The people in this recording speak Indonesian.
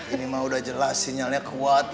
ini mah udah jelasin yang kuat